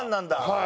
はい。